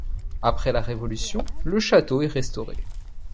Après la Révolution le château est restauré.